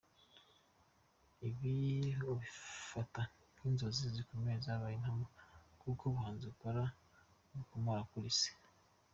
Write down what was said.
Ibi, abifata nk’inzozi zikomeye zabaye impamo kuko ubuhanzi akora abukomora kuri se.